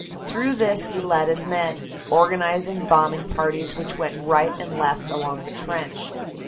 Through this he led his men, organizing bombing parties, which went right and left along the trench.